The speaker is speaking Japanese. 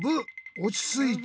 おちついて！